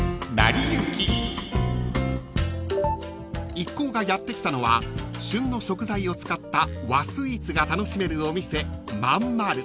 ［一行がやって来たのは旬の食材を使った和スイーツが楽しめるお店］